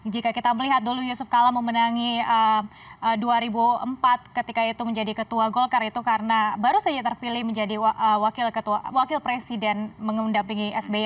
jika kita melihat dulu yusuf kala memenangi dua ribu empat ketika itu menjadi ketua golkar itu karena baru saja terpilih menjadi wakil presiden mengendampingi sby